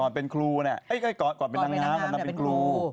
ก่อนเป็นครูเนี่ยเอ๊ะก่อนเป็นนางนามแต่เป็นครู